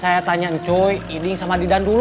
saya tanya ncoy edi sama didan dulu